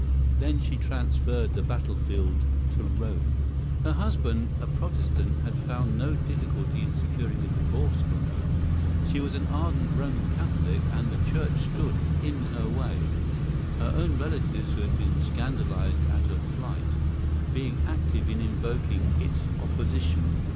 Then she transferred the battlefield to Rome. Her husband, a Protestant, had found no difficulty in securing a divorce from her. She was an ardent Roman Catholic, and the church stood in her way, her own relatives, who had been scandalized at her flight, being active in invoking its opposition.